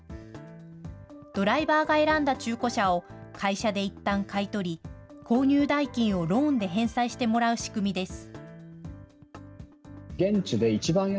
ドライバーが選んだ中古車を会社でいったん買い取り、購入代金をローンで返済してもらう仕組みです。